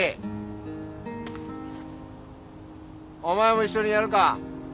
お前も一緒にやるか？